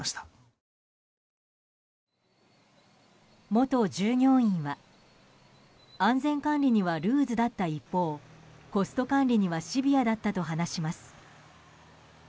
元従業員は安全管理にはルーズだった一方コスト管理にはシビアだったと話します。